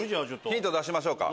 ヒント出しましょうか。